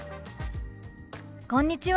「こんにちは。